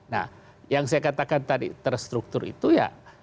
nah yang saya katakan tadi terstruktur itu ya